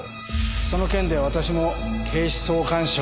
その件で私も警視総監賞をいただきました。